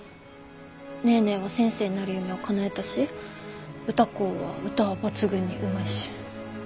ネーネーは先生になる夢をかなえたし歌子は歌は抜群にうまいし。